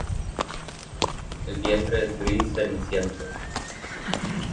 El vientre es gris ceniciento.